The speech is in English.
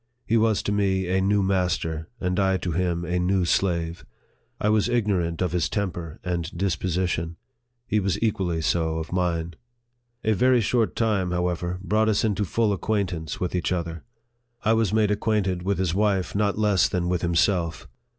He was to me a new master, and I to him a new slave. I was ignorant of his tem per and disposition ; he was equally so of mine. A very short time, however, brought us into full acquaint ance with each other. I was made acquainted with his wife not less than with himself.